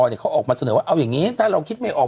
เขาออกมาเสนอว่าเอาอย่างนี้ถ้าเราคิดไม่ออก